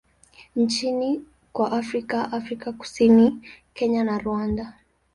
nchini kwa Afrika Afrika Kusini, Kenya na Rwanda.